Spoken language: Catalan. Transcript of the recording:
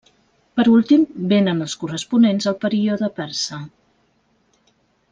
Per últim vénen els corresponents al període persa: